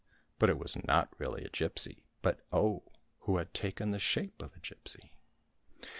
But it was not really a gipsy, but Oh, who had taken the shape of a gipsy.